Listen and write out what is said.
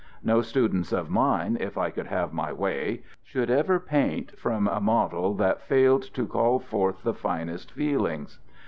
No students of mine, if I could have my way, should ever paint from a model that failed to call forth the finest feelings.